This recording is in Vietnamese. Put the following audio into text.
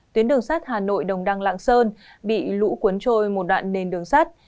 tuyến đường sắt hà nội đồng đăng lạng sơn bị lũ cuốn trôi một đoạn nền đường sắt